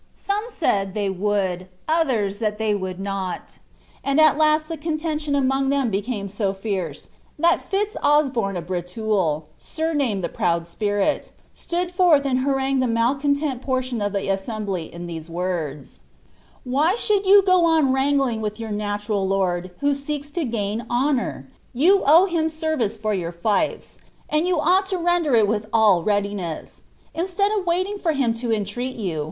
&>me said, " they would," others, " that titey would not;" and at last the contention among them became so fierce, that Fits Osbom. of Breteul, sumamed the Proud Spirit, stood forth and baiuigued the malcontent portion of the assembly in these words :—." Why should you go on wrangling with your natural lord, who Mtkt to gain honour ? You owe him service for your fiefs, and you ou^l M Tender it with all readiness. Instead of waiting for him to entreat yOQ.